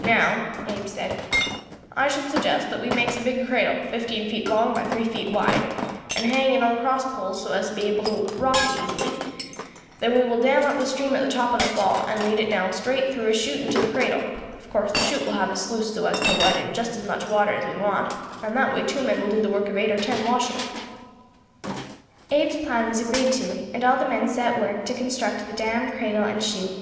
"Now," Abe said, "I should suggest that we makes a big cradle, fifteen feet long by three feet wide, and hang it on cross poles so as to be able to rock it easily; then we will dam up the stream at the top of the fall, and lead it down straight through a shoot into the cradle; of course the shoot will have a sluice so as to let in just as much water as we want, and that way two men will do the work of eight or ten washing." Abe's plan was agreed to, and all the men set to work to construct the dam, cradle, and shoot.